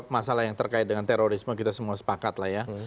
masalah yang terkait dengan terorisme kita semua sepakat lah ya